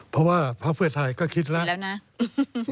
เพราะว่าภาคเพื่อไทยก็คิดแล้วนะครับ